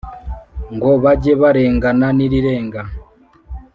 ngo bajye barengana n'irirenga